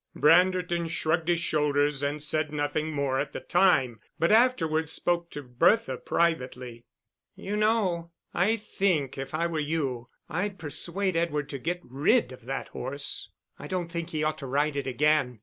Branderton shrugged his shoulders, and said nothing more at the time, but afterwards spoke to Bertha privately. "You know, I think, if I were you, I'd persuade Edward to get rid of that horse. I don't think he ought to ride it again.